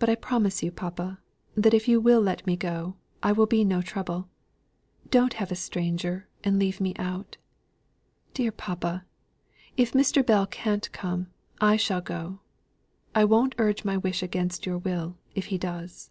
But I promise you, papa, that if you will let me go, I will be no trouble. Don't have a stranger, and leave me out. Dear papa! if Mr. Bell cannot come, I shall go. I won't urge my wish against your will, if he does."